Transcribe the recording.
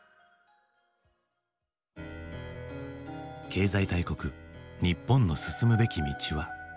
経済大国日本の進むべき道は？